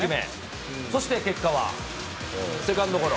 そして結果は、セカンドゴロ。